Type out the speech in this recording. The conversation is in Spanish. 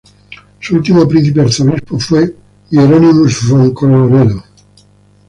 Su último príncipe-arzobispo fue Hieronymus von Colloredo.